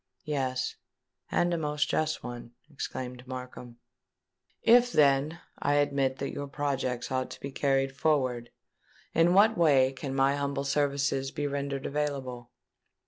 "Yes—and a most just one," exclaimed Markham. "If then, I admit that your projects ought to be carried forward, in what way can my humble services be rendered available?"